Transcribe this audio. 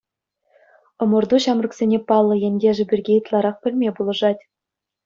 Ӑмӑрту ҫамрӑксене паллӑ ентешӗ пирки ытларах пӗлме пулӑшать.